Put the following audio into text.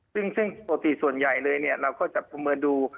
ซึ่งปกติส่วนใหญ่เลยเราก็จับประเมินดู